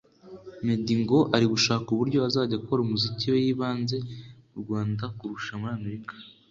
Meddy ngo ari gushaka uburyo azajya akora umuziki we yibanze mu Rwanda kurusha muri Amerika